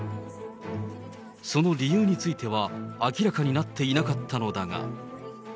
その理由については、明らかになっていなかったのだが。